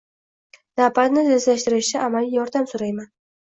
Navbatni tezlashtirishda amaliy yordam so‘rayman.